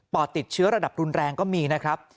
อดติดเชื้อระดับรุนแรงก็มีนะครับ